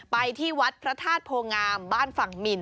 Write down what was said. ไปที่วัดพระธาตุโพงามบ้านฝั่งหมิน